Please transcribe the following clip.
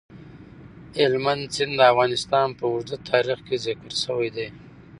هلمند سیند د افغانستان په اوږده تاریخ کې ذکر شوی دی.